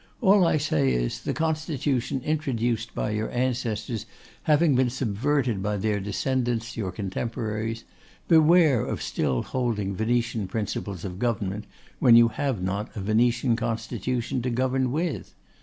All I say is, the constitution introduced by your ancestors having been subverted by their descendants your contemporaries, beware of still holding Venetian principles of government when you have not a Venetian constitution to govern with.